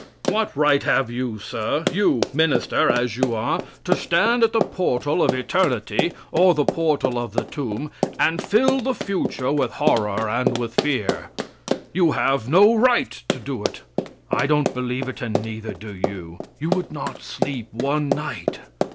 What right have you, sir; you, minister, as you are, to stand at the portal of eternity, or the portal of the tomb, and fill the future with horror and with fear? You have no right to do it. I don't believe it, and neither do you. You would not sleep one night.